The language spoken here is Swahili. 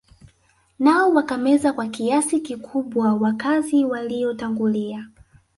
Nao wakameza kwa kiasi kikubwa wakazi waliotangulia